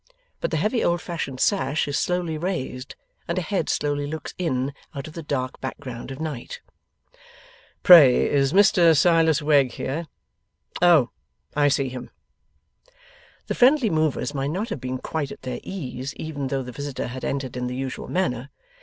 But the heavy old fashioned sash is slowly raised, and a head slowly looks in out of the dark background of night. 'Pray is Mr Silas Wegg here? Oh! I see him!' The friendly movers might not have been quite at their ease, even though the visitor had entered in the usual manner.